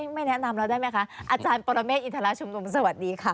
ไม่แนะนำเราได้ไหมคะอาจารย์ปรเมฆอินทรชุมนุมสวัสดีค่ะ